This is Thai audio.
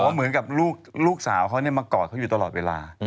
เหมือนกับลูกสาวเขามากอดเขาอยู่ตลอดเวลา